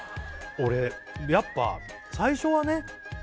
俺やっぱ最初はね